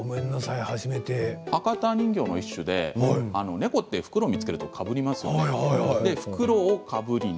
博多人形の一種で猫は袋を見つけるとかぶりますよね。